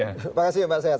terima kasih pak sehat